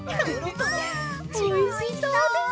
おいしそうです！